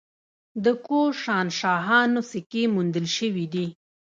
د کوشانشاهانو سکې موندل شوي دي